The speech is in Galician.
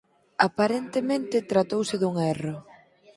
Aparentemente tratouse dun erro.